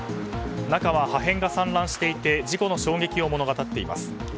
中は破片が散乱していて事故の衝撃を物語っています。